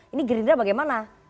ini gerindra bagaimana